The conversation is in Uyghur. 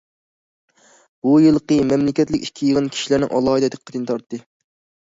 بۇ يىلقى مەملىكەتلىك ئىككى يىغىن كىشىلەرنىڭ ئالاھىدە دىققىتىنى تارتتى.